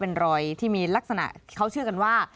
เป็นรอยที่มีลักษณะเขาเชื่อกันว่า